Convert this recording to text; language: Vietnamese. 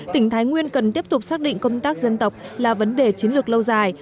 tỉnh thái nguyên cần tiếp tục xác định công tác dân tộc là vấn đề chiến lược lâu dài